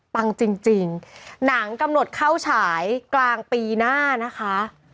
ปังจริงหนังกำหนดเข้าฉายกลางปีหน้านะคะ